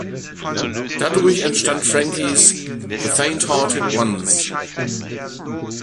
Dadurch entstand Frankies "The Faint-hearted Ones".